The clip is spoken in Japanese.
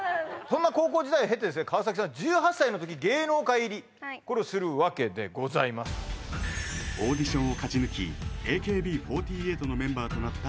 そんな高校時代を経てですね川崎さんは１８歳の時芸能界入りはいこれをするわけでございますオーディションを勝ち抜きＡＫＢ４８のメンバーとなった川崎